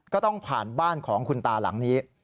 ก็ต้องผ่านบ้านของคุณตาหลังนี้